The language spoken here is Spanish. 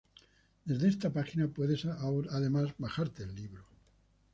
Desde esta página puedes además bajarte el libro